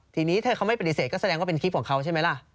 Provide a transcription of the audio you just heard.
ทีนี้ถ้าเขาไม่ปฏิเสธก็แสดงว่าเป็นคลิปของเขาใช่ไหมล่ะ